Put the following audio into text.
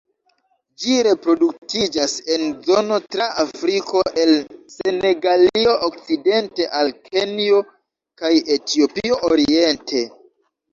Ĝi reproduktiĝas en zono tra Afriko el Senegalio okcidente al Kenjo kaj Etiopio oriente.